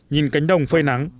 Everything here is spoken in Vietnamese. nhìn cảnh đông phơi nắng